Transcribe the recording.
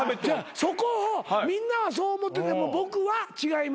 そこをみんなはそう思ってても僕は違いますと。